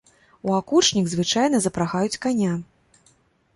У акучнік звычайна запрагаюць каня.